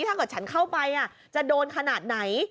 ถ้าเกิดฉันเข้าไปจะโดนขนาดไหน